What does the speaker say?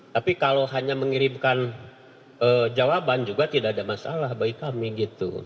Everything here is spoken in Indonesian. tapi kalau hanya mengirimkan jawaban juga tidak ada masalah bagi kami gitu